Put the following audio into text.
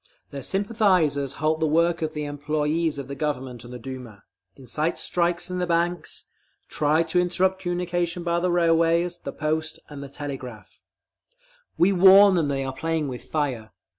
Their sympathisers halt the work of the employees of the Government and the Duma, incite strikes in the banks, try to interrupt communication by the railways, the post and the telegraph…. We warn them that they are playing with fire.